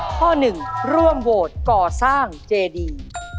ข้อหนึ่งร่วมโหวตก่อสร้างเจดี